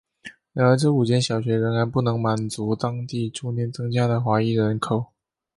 然而这五间小学仍然不能满足当地逐年增加的华裔人口。